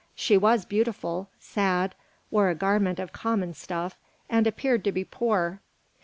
She was beautiful, sad, wore a garment of common stuff, and appeared to be poor.